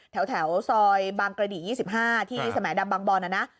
แถวซอยบางกระดิ๒๕ที่สมดำบางบอลนะนะ